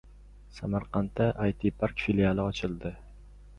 Samarqandda It-Park filiali ochildi